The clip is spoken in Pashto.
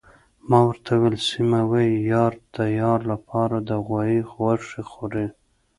ما ورته وویل: سیمه، وايي یار د یار لپاره د غوايي غوښې خوري.